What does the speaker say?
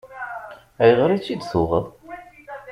Ayɣer i tt-id-tuɣeḍ?